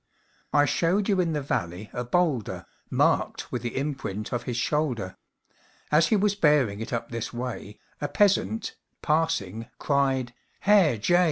I showed you in the valley a bowlder Marked with the imprint of his shoulder; As he was bearing it up this way, A peasant, passing, cried, "Herr Je!